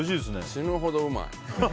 死ぬほどうまい。